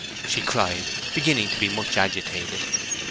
she cried, beginning to be much agitated.